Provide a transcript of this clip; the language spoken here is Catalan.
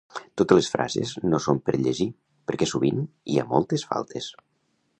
Totes les frases no son per llegir perquè sovint hi ha moltes faltes